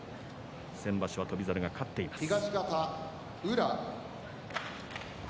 先場所は翔猿が勝っています。